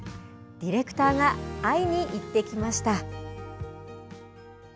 ディレクターが会いに行ってきました。